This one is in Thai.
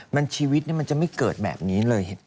มันชีวิตมันจะไม่เกิดแบบนี้เลย